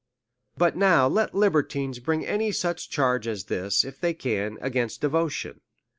But now let libertines bring any such charge as this, if they can, against devotion.